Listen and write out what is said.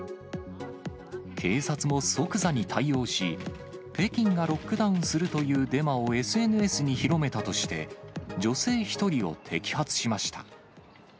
警察も即座に対応し、北京がロックダウンするというデマをＳＮＳに広めたとして、女性１人を摘発しました。